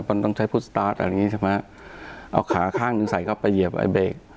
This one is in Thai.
มันต้องใช้พุทธสตาร์ทอะไรอย่างงี้ใช่ไหมเอาขาข้างหนึ่งใส่เข้าไปเหยียบไอ้เบรก